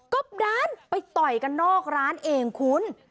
ก็ด้านไปต่อยกันนอกร้านเองคุณ